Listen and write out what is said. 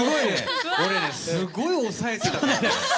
俺ねすごい抑えてたの。